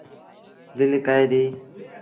دل ڪهي دي۔